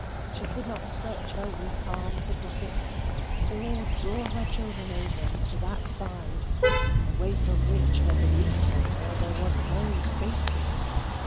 She could not stretch her weak arms across it, or draw her children over to that side away from which her belief told her there was no safety.